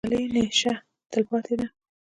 • د مطالعې نیشه، تلپاتې ده.